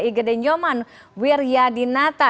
igede nyoman wiryadinata